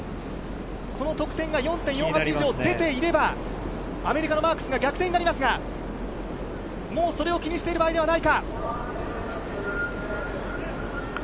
この得点が４．４８以上出ていれば、アメリカのマークスが逆転になりますが、もうそれを気にしている場合ではないか。